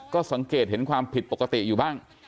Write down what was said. ก็สังเกตเห็นความผิดปกติอยู่บ้าง